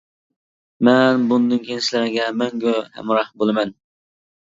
مەن بۇندىن كېيىن سىلەرگە مەڭگۈ ھەمراھ بولىمەن.